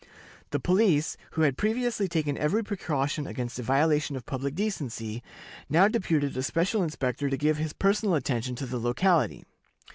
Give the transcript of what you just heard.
The police, who had previously taken every precaution against a violation of public decency, now deputed a special inspector to give his personal attention to the locality.